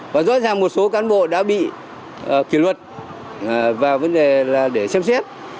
và rõ ràng một số cán bộ đã bị kỷ luật vào vấn đề là để xem xét